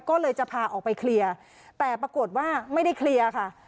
ก็เลยจะพาออกไปเคลียร์แต่ปรากฏว่าไม่ได้เคลียร์ค่ะ